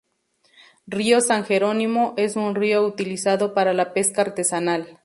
Río san jerónimo, es un río utilizado para la pesca artesanal.